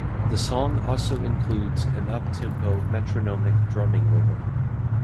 The song also includes an uptempo metronomic drumming rhythm.